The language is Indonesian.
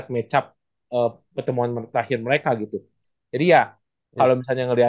mau gak mau kan